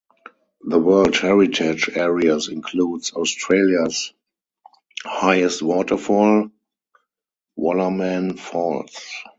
The World Heritage area includes Australia's highest waterfall, Wallaman Falls.